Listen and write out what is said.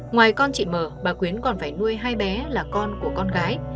ngoài con chị mờ bà quyến còn phải nuôi hai bé là con của con gái